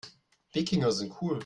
Wikinger sind cool.